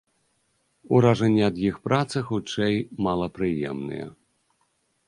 Уражанні ад іх працы, хутчэй, малапрыемныя.